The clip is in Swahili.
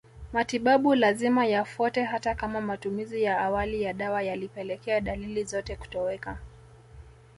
Matibabu lazima yafuatwe hata kama matumizi ya awali ya dawa yalipelekea dalili zote kutoweka